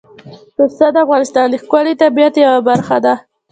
پسه د افغانستان د ښکلي طبیعت یوه برخه ده.